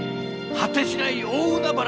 果てしない大海原へ！